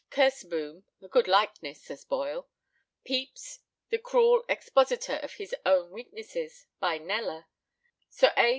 Kerseboom (a good likeness, says Boyle); Pepys, the cruel expositor of his own weaknesses, by Kneller; Sir A.